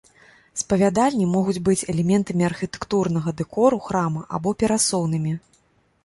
Спавядальні могуць быць элементамі архітэктурнага дэкору храма або перасоўнымі.